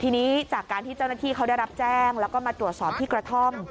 ทีนี้จากการที่เจ้าหน้าที่เขาได้รับแจ้งแล้วก็มาตรวจสอบที่กระท่อม